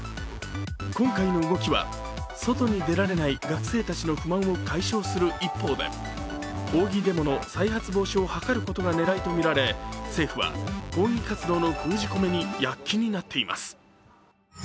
今回の動きは、外に出られない学生たちの不満を解消する一方で抗議デモの再発防止を図ることが狙いとみられ政府は抗議活動の封じ込めに躍起になっています。